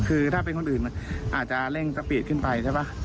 คือถ้าเป็นคนอื่นอาจจะเร่งสปีดขึ้นไปใช่ป่ะ